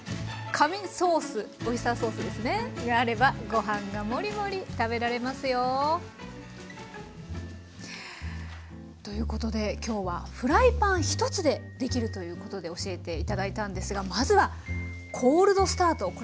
神ソースオイスターソースがあればご飯がもりもり食べられますよ。ということで今日はフライパン１つでできるということで教えて頂いたんですがまずはコールドスタート。